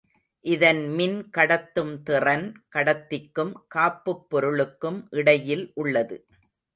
இதன் மின் கடத்தும் திறன் கடத்திக்கும் காப்புப் பொருளுக்கும் இடையில் உள்ளது.